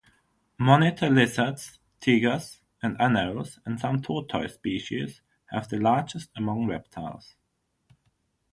Monitor lizards, tegus and anoles and some tortoise species have the largest among reptiles.